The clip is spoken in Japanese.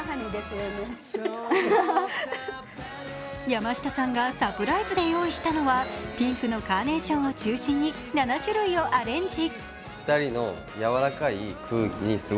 山下さんがサプライズで用意したのは、ピンクのカーネーションを中心に７種類をアレンジ。